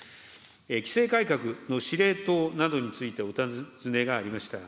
規制改革の司令塔などについてお尋ねがありました。